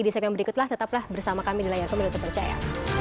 di segmen berikutlah tetaplah bersama kami di layar pemilu terpercaya